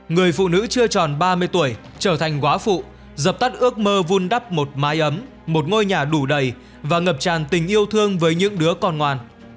người phụ nữ chưa tròn ba mươi tuổi trở thành quá phụ dập tắt ước mơ vun đắp một mái ấm một ngôi nhà đủ đầy và ngập tràn tình yêu thương với những đứa con ngoan